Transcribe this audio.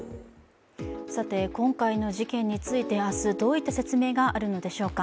今回の事件について明日、どういった説明があるのでしょうか。